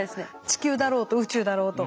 地球だろうと宇宙だろうと。